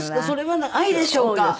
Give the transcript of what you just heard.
それは愛でしょうか？